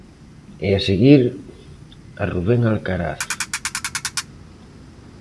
E a seguir, a Rubén Alcaraz.